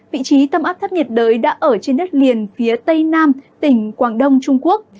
vị trí tâm áp thấp nhiệt đới đã ở trên đất liền phía tây nam tỉnh quảng đông trung quốc